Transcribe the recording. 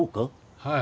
はい。